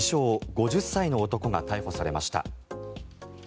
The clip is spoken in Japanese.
５０歳の男が逮捕されました。